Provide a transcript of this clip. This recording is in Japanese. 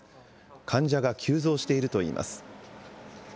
患者が急増しているといいます。